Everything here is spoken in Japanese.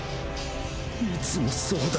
いつもそうだ！